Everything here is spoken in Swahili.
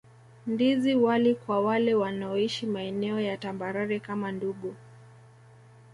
Ndizi wali kwa wale wanaoishi maeneo ya tambarare kama Ndungu